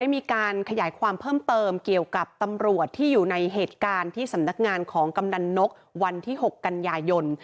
มีการขยายความเพิ่มเติมเกี่ยวกับตำรวจที่อยู่ในเหตุการณ์ที่สำนักงานของกำนันนกวันที่๖กันยายน